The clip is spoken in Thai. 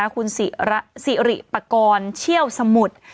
คุณศรีปกรเชี่ยวสมุทร